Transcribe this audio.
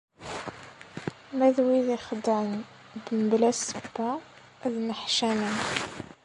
Ma d wid ixeddɛen mebla ssebba, ad nneḥcamen.